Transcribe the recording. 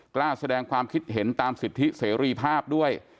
กล้าแสดงความคิดเห็นตามสิทธิเสรีภาพด้วย